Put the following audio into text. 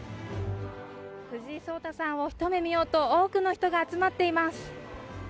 藤井聡太さんを一目見ようと多くの人が集まっています。